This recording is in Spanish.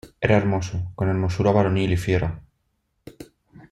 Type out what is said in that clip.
era hermoso, con hermosura varonil y fiera.